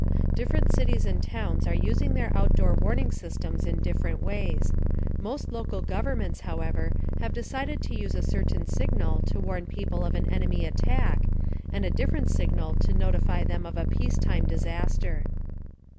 Different cities and towns are using their outdoor warning systems in different ways. Most local governments, however, have decided to use a certain signal to warn people of an enemy attack, and a different signal to notify them of a peacetime disaster.